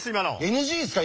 ＮＧですか？